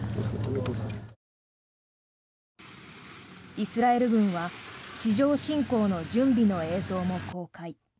イスラエル軍は地上侵攻の準備の映像も公開。